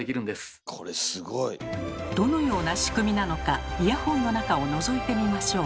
どのような仕組みなのかイヤホンの中をのぞいてみましょう。